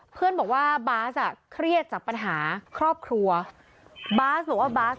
เพื่อนบอกว่าบาร์สอ่ะเครียดจากปัญหาครอบครัว